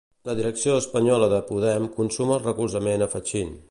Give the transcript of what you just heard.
La direcció espanyola de Podem consuma el recolzament a Fachín.